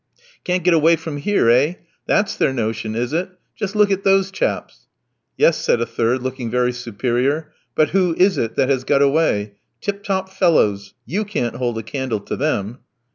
"Can't get away from here, eh? That's their notion, is it? Just look at those chaps!" "Yes," said a third, looking very superior, "but who is it that has got away? Tip top fellows. You can't hold a candle to them."